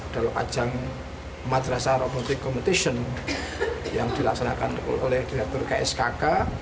dalam ajang madrasah robotic competition yang dilaksanakan oleh direktur kskk